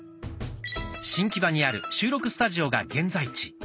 新木場にある収録スタジオが現在地。